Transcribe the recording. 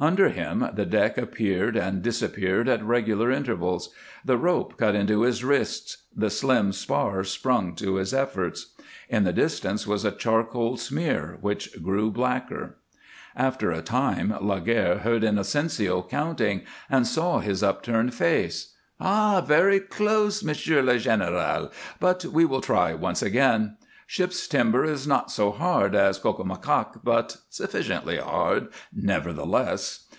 Under him the deck appeared and disappeared at regular intervals, the rope cut into his wrists, the slim spar sprung to his efforts. In the distance was a charcoal smear which grew blacker. After a time Laguerre heard Inocencio counting, and saw his upturned face. "Ha! Very close, Monsieur le Général, but we will try once again. Ship's timber is not so hard as cocomacaque, but sufficiently hard, nevertheless.